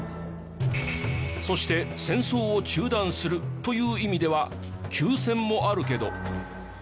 そして戦争を中断するという意味では休戦もあるけど。